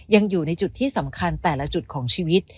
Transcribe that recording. ยังอยู่ในจุดที่สำคัญแต่ละจุดของชีวิต